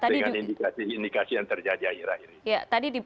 dengan indikasi indikasi yang terjadi akhir akhir ini